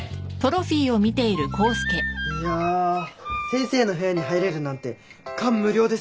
いやあ先生の部屋に入れるなんて感無量です！